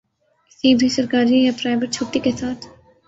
سی بھی سرکاری یا پرائیوٹ چھٹی کے ساتھ